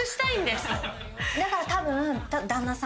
だからたぶん。